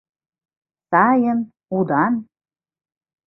— Сайын, удан?